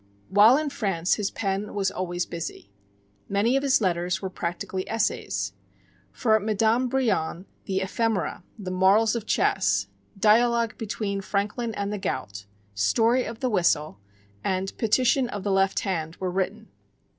While in France his pen was always busy. Many of his letters were practically essays. For Madame Brillon the "Ephemera," the "Morals of Chess," "Dialogue between Franklin and the Gout," "Story of the Whistle," and "Petition of the Left Hand" were written.